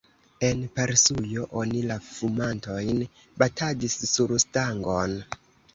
En Persujo oni la fumantojn batadis sur stangon.